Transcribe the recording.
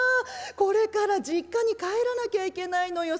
これから実家に帰らなきゃいけないのよ